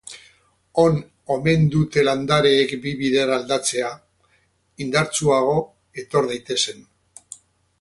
On omen dute landareek bi bider aldatzea, indartsuago etor daitezen.